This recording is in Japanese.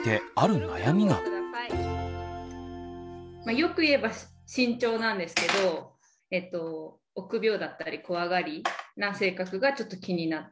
よく言えば慎重なんですけど臆病だったり怖がりな性格がちょっと気になっています。